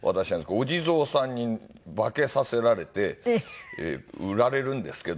お地蔵さんに化けさせられて売られるんですけど。